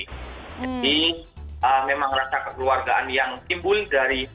jadi memang rasa kekeluargaan yang timbul dari